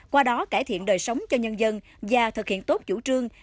qua đó cải thiện đời sống cho nhân dân và thực hiện tốt chủ trương